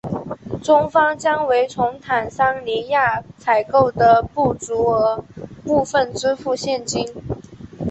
中方将为从坦桑尼亚采购的不足额部分支付现金。